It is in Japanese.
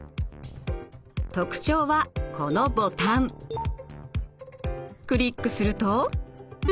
特徴はこのボタン。クリックすると。